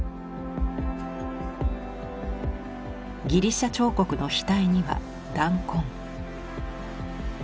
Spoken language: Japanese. ギリシャ彫刻の額には弾痕。